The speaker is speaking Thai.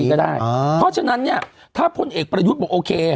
เพราะฉะนั้นเนี่ยถ้าพลเอกประยุทธ์บอกโอเค